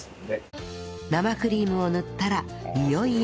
生クリームを塗ったらいよいよメロンです